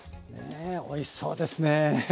ねえおいしそうですね。